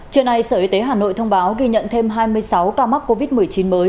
trưa nay sở y tế hà nội thông báo ghi nhận thêm hai mươi sáu ca mắc covid một mươi chín mới